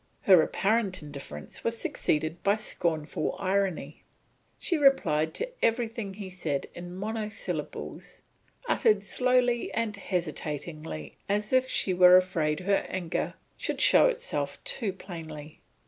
Her apparent indifference was succeeded by scornful irony. She replied to everything he said in monosyllables uttered slowly and hesitatingly as if she were afraid her anger should show itself too plainly.